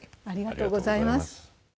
ありがとうございます。